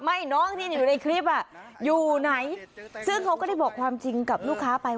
น้องที่อยู่ในคลิปอ่ะอยู่ไหนซึ่งเขาก็ได้บอกความจริงกับลูกค้าไป